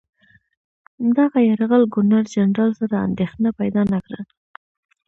دغه یرغل ګورنرجنرال سره اندېښنه پیدا نه کړه.